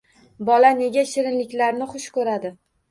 Bola nega shirinliklarni xush ko`radi